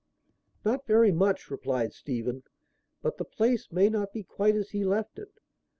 "Not very much," replied Stephen. "But the place may not be quite as he left it.